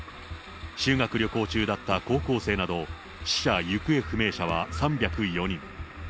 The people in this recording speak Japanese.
修学旅行中だった高校生など、死者・行方不明者は３０４人。